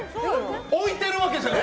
置いてるわけじゃない。